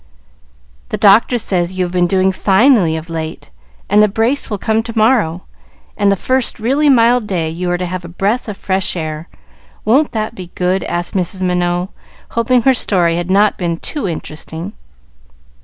"The doctor says you have been doing finely of late, and the brace will come to morrow, and the first really mild day you are to have a breath of fresh air. Won't that be good?" asked Mrs. Minot, hoping her story had not been too interesting.